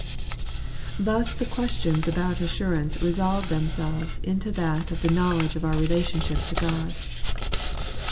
Thus the questions about assurance resolve them selves into that of the knowledge of our relationship to God.